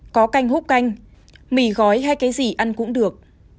có canh hút canh mì gói hay cái gì ăn cũng được